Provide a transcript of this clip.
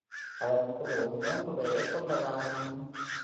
அதன் குழு மூன்று பேரைக் கொண்டதாகும்.